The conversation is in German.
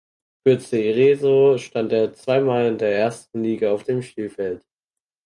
Für Cerezo stand er zweimal in der ersten Liga auf dem Spielfeld.